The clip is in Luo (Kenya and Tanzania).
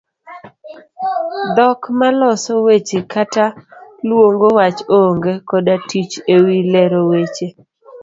Dhok ma loso weche kata luong'o wach onge' koda tich ewi lero weche.